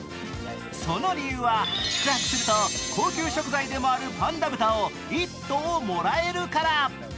その理由は、宿泊すると高級食材でもあるパンダ豚を１頭もらえるから。